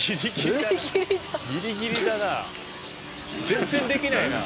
「全然できないな」